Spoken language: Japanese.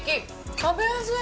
食べやすい。